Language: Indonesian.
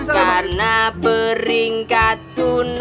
karena beringkatku nomor satu